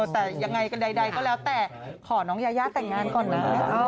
แต่ยังไงกันใดก็แล้วแต่ขอน้องยายาแต่งงานก่อนนะ